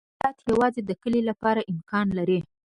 دا حالت یوازې د کلې لپاره امکان لري